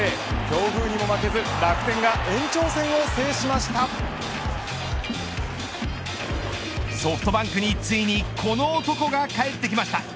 強風にも負けず楽天がソフトバンクについにこの男が帰ってきました。